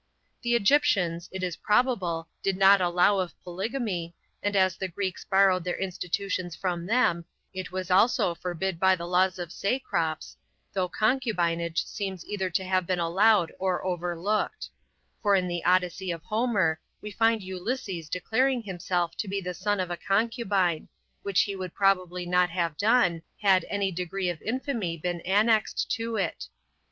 The Egyptians, it is probable, did not allow of polygamy, and as the Greeks borrowed their institutions from them, it was also forbid by the laws of Cecrops, though concubinage seems either to have been allowed or overlooked; for in the Odyssey of Homer we find Ulysses declaring himself to be the son of a concubine, which he would probably not have done, had any degree of infamy been annexed to it.